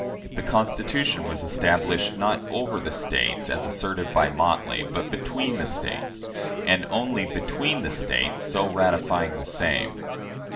The Constitution was established, not "over the States," as asserted by Motley, but "between the States," and only "between the States so ratifying the same."